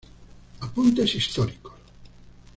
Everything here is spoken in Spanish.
Apuntes Históricos.